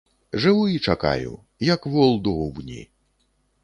Жыву і чакаю, як вол доўбні.